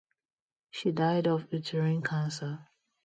She died of uterine cancer.